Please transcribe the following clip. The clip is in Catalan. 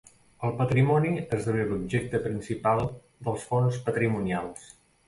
El patrimoni esdevé l'objecte principal dels fons patrimonials.